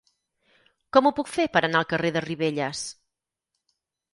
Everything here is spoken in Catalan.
Com ho puc fer per anar al carrer de Ribelles?